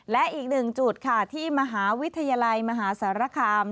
และอีกหนึ่งจุดค่ะที่มหาวิทยาลัยมหาสารคาม